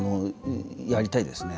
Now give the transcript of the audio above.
やりたいですね。